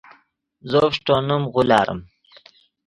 زو فݰٹونیم غولاریم